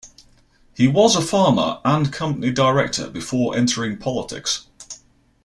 He was a farmer and company director before entering politics.